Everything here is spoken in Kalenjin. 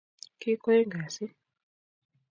Ki kwoeng gasi